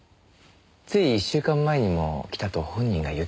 つい一週間前にも来たと本人が言っていました。